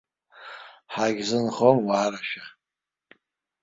Ҳагьзынхом ауаа рашәа.